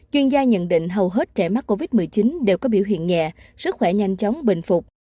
chuyên gia nhận định hầu hết trẻ mắc covid một mươi chín đều có biểu hiện nhẹ sức khỏe nhanh chóng bình phục